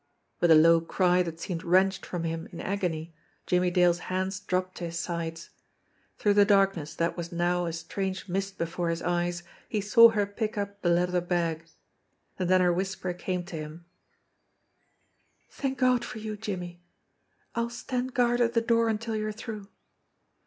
With a low cry that seemed wrenched from him in agony, Jimmie Dale's hands dropped to his sides. Through the darkness, that was now a strange mist before his eyes, he saw her pick up the leather bag. And then her whisper came to him: "Thank God for you, Jimmie ! I'll stand guard at the door until you're through."